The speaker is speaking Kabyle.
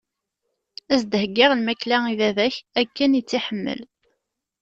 Ad s-d-heggiɣ lmakla i baba-k, akken i tt-iḥemmel.